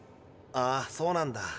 ああそうなんだ。